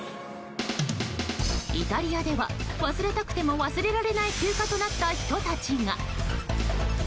イタリアでは忘れたくても忘れられない休暇となった人たちが。